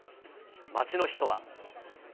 街の人は。